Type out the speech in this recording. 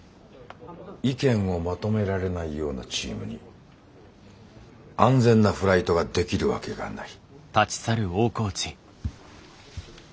意見をまとめられないようなチームに安全なフライトができるわけがない。